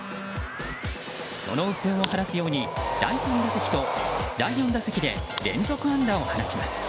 そのうっぷんを晴らすように第３打席と第４打席で連続安打を放ちます。